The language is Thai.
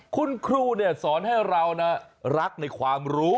คุณครูเนี่ยสอนให้เราน่ะรักในความรู้